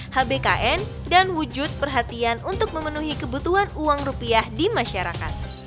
hbkn dan wujud perhatian untuk memenuhi kebutuhan uang rupiah di masyarakat